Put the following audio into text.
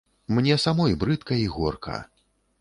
Мне самой брыдка і горка.